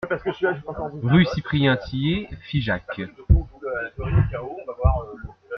Rue Cyprien Tillet, Figeac